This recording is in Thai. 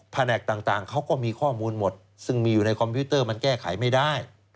แผนกต่างเขาก็มีข้อมูลหมดซึ่งมีอยู่ในคอมพิวเตอร์มันแก้ไขไม่ได้